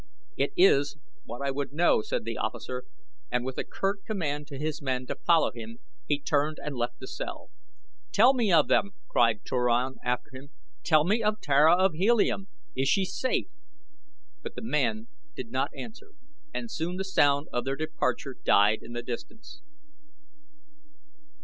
"It is what I would know," said the officer, and with a curt command to his men to follow him he turned and left the cell. "Tell me of them!" cried Turan after him. "Tell me of Tara of Helium! Is she safe?" but the man did not answer and soon the sound of their departure died in the distance.